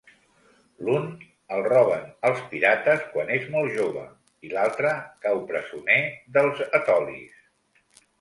L'un, el roben els pirates quan és molt jove, i l'altre cau presoner dels etolis.